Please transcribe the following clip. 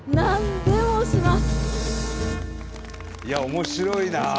いや面白いな。